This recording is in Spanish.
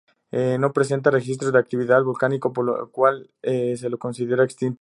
No presenta registros de actividad volcánico, por lo cual se le considera extinto.